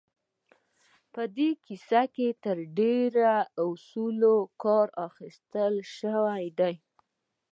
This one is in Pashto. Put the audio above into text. په دې کيسه کې تر ډېره له اصولو کار اخيستل شوی دی.